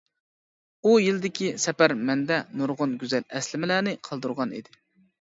ئۇ يىلدىكى سەپەر مەندە نۇرغۇن گۈزەل ئەسلىمىلەرنى قالدۇرغان ئىدى.